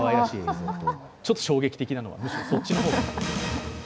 ちょっと衝撃的なのはむしろそっち。